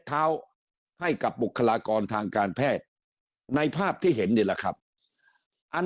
เท้าให้กับบุคลากรทางการแพทย์ในภาพที่เห็นนี่แหละครับอัน